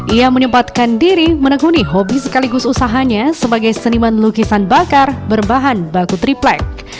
ia menyempatkan diri menekuni hobi sekaligus usahanya sebagai seniman lukisan bakar berbahan baku triplek